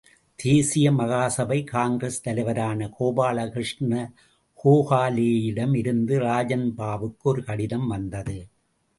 தேசிய மகாசபை காங்கிரஸ் தலைவரான கோபாலகிருஷ்ண கோகலேயிடம் இருந்து ராஜன்பாபுக்கு ஒரு கடிதம் வந்தது.